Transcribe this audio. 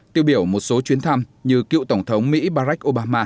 tiêu biểu một số chuyến thăm như cựu tổng thống mỹ barack obama